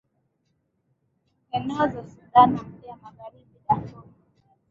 eneo za sudan ya magharibi darfur